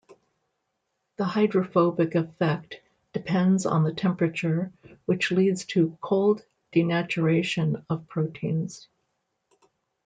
The hydrophobic effect depends on the temperature, which leads to "cold denaturation" of proteins.